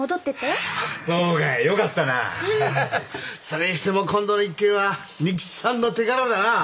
それにしても今度の一件は仁吉さんの手柄だなぁ。